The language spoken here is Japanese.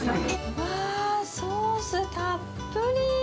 うわー、ソースたっぷり。